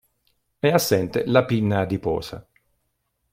È assente la pinna adiposa.